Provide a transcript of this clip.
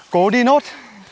cố đi nốt